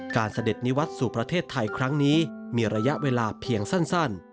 เสด็จนิวัตรสู่ประเทศไทยครั้งนี้มีระยะเวลาเพียงสั้น